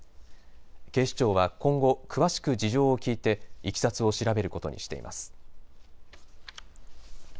警視庁は今後詳しく事情を聴いていきさつを調べることにしています。